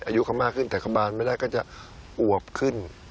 อายุเขามากขึ้นแต่เขาบานไม่ได้ก็จะอวบขึ้น